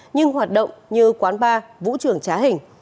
nhưng hoạt động như quán bar vũ trường trá hình